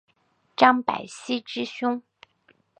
张百熙之兄。